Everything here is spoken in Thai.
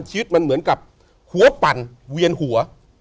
ชีวิตมันเหมือนกับหัวปั่นเวียนหัว